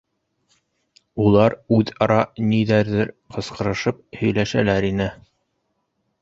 Улар үҙ-ара ниҙәрҙер ҡысҡырышып һөйләшәләр ине.